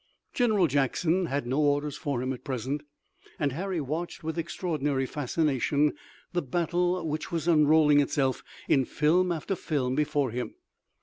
General Jackson had no orders for him at present, and Harry watched with extraordinary fascination the battle which was unrolling itself in film after film before him.